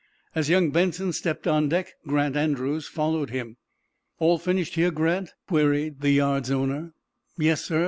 As young Benson stepped on deck Grant Andrews followed him. "All finished here, Grant?" queried the yard's owner. "Yes, sir.